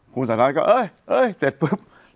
ปรากฏว่าจังหวัดที่ลงจากรถ